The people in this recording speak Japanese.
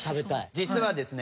実はですね